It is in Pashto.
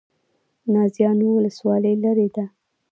نازیانو ولسوالۍ لیرې ده؟